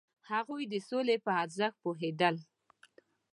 هغوی د سولې په ارزښت پوهیدل.